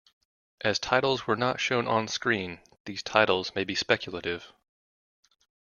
As titles were not shown on-screen, these titles may be speculative.